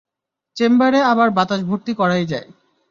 চেম্বারে আবার বাতাস ভর্তি করাই যায়।